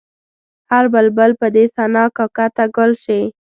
هر بلبل به دې ثنا کا که ته ګل شې.